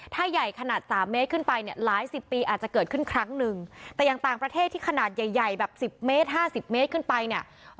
ถ้าใหญ่ขนาดสามเมตรขึ้นไปเนี่ยหลายสิบปีอาจจะเกิดขึ้นครั้งหนึ่งแต่อย่างต่างประเทศที่ขนาดใหญ่ใหญ่แบบสิบเมตรห้าสิบเมตรขึ้นไปเนี่ย